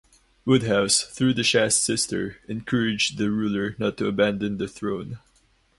Woodhouse, through the Shah's sister, encouraged the ruler not to abandon the throne.